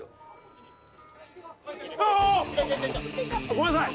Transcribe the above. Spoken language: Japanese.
ごめんなさい！